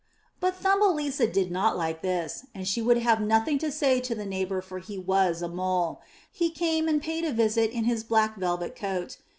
'' But Thumbelisa did not like this, and she would have nothing to say to the neighbour for he was a Mole. He came and paid a visit in his black velvet coat.